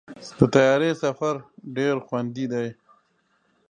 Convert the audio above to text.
د طیارې سفر ډېر خوندي دی.